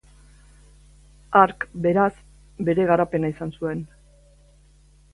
Hark, beraz, bere garapena izan zuen.